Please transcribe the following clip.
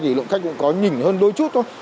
thì lượng khách cũng có nhỉnh hơn đôi chút thôi